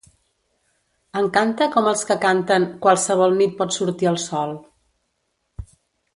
Encanta com els que canten “Qualsevol nit pot sortir el sol”.